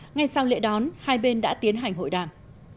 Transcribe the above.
ngay sau lễ đón hai bên đã tiến hành hội đàm